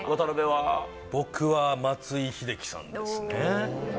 僕は松井秀喜さんですね。